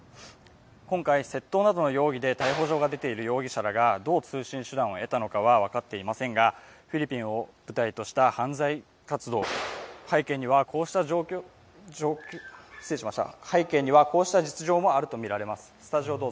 今回、窃盗などの容疑で逮捕状が出ている容疑者らがどう通信手段を得たのかは分かっていませんがフィリピンを舞台とした犯罪活動、背景にはこうした実情もあるとみられます。